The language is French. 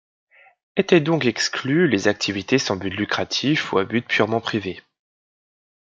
Étaient donc exclues les activités sans but lucratif ou à but purement privé.